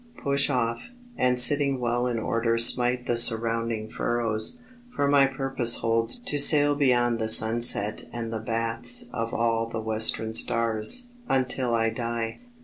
Push off, and sitting well in order smite The sounding furrows; for my purpose holds To sail beyond the sunset and the baths Of all the western stars, until I die.